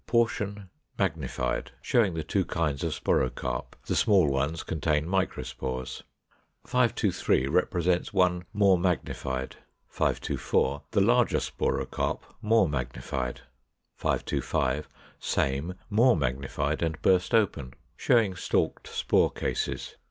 Portion magnified, showing the two kinds of sporocarp; the small ones contain microspores. 523 represents one more magnified. 524. The larger sporocarp more magnified. 525. Same more magnified and burst open, showing stalked spore cases.